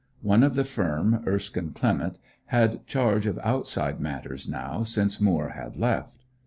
One of the firm, Erskine Clement, had charge of outside matters, now, since Moore had left.